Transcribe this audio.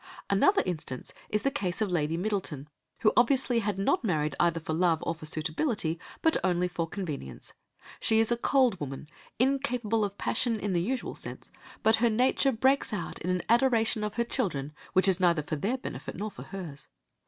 Another instance is in the case of Lady Middleton, who obviously had not married either for love or for suitability, but only for convenience; she is a cold woman, incapable of passion in the usual sense, but her nature breaks out in an adoration of her children which is neither for their benefit nor for hers.